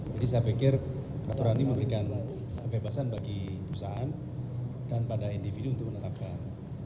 jadi saya pikir peraturan ini memberikan kebebasan bagi perusahaan dan pada individu untuk menetapkan